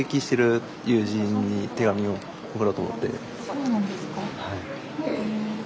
そうなんですか。